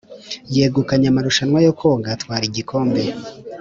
Yegukanye amarushanwa yo koga atwara igikombe